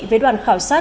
với đoàn khảo sát